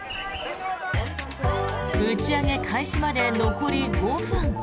打ち上げ開始まで残り５分。